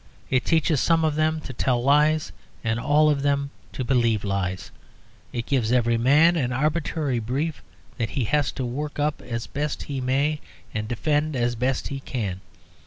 It teaches some of them to tell lies and all of them to believe lies. It gives every man an arbitrary brief that he has to work up as best he may and defend as best he can.